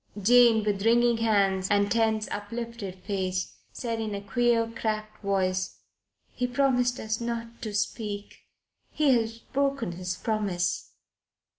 Jane, with wringing hands and tense, uplifted face, said in a queer cracked voice: "He promised us not to speak. He has broken his promise."